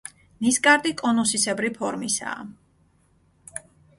ნისკარტი კონუსისებრი ფორმისაა.